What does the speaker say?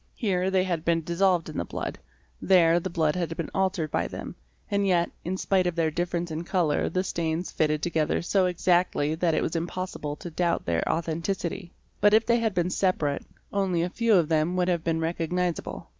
Here they had been dissolved in the blood, there the blood had been altered by them, and yet in spite of their difference in colour the stains fitted together so exactly that it was impossible to doubt their authenticity ; but if they had been separate, only a very few of them would have been recognisable.